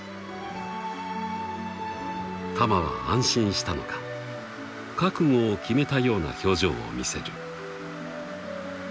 ［タマは安心したのか覚悟を決めたような表情を見せる］